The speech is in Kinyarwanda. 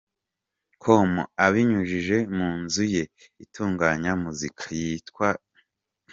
com, abinyujije mu nzu ye itunganya muzika yitwa I.